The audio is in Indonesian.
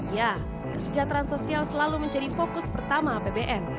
ya kesejahteraan sosial selalu menjadi fokus pertama apbn